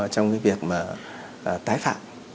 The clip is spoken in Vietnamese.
trong cái việc mà tái phạm